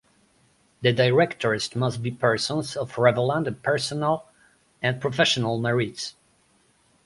The directors must be persons of relevant personal and professional merits.